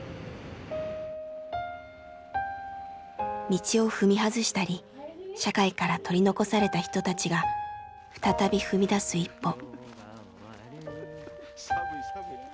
道を踏み外したり社会から取り残された人たちが再び踏み出す一歩。